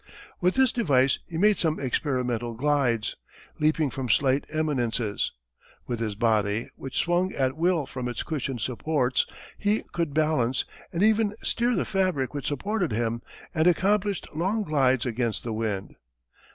With this device he made some experimental glides, leaping from slight eminences. With his body, which swung at will from its cushioned supports, he could balance, and even steer the fabric which supported him, and accomplished long glides against the wind.